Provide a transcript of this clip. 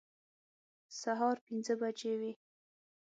سهار پنځه بجې وې.